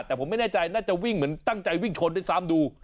แต่ผมไม่แน่ใจน่าจะวิ่งเหมือนตั้งใจวิ่งชนด้วยซ้ำดู